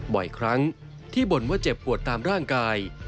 บ่อยครั้งที่บ่นว่าเจ็บปวดตามร่างกาย